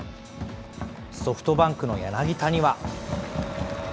ソフトバンクの柳田には。